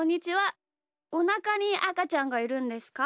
おなかにあかちゃんがいるんですか？